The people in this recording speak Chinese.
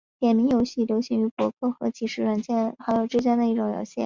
点名游戏是流行于博客和即时通讯软件好友之间的一种游戏。